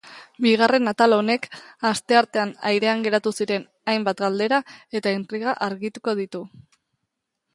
Bigarren atal honek asteartean airean geratu ziren hainbat galdera eta intriga agituko ditu.